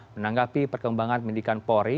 menanggapi perkembangan milikan pori